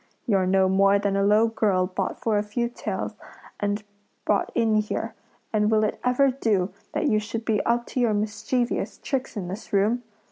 You're no more than a low girl bought for a few taels and brought in here; and will it ever do that you should be up to your mischievous tricks in this room?